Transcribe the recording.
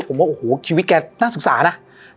ผมว่าโอ้โหชีวิตแกน่าศึกษานะ